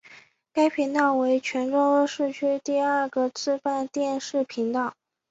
该频道为泉州市区第二个自办电视频道。